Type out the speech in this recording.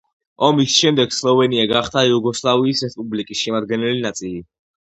ომის შემდეგ სლოვენია გახდა იუგოსლავიის რესპუბლიკის შემადგენელი ნაწილი.